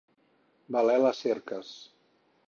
Valer les cerques.